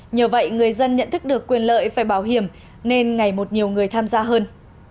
nhờ vậy người dân nhận thức được quyền lợi về bảo hiểm nên ngày một nhiều người tham gia hơn